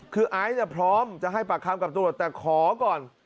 คือไอ้สัตว์จะพร้อมจะให้ปากคำกับตัวแต่ขอก่อน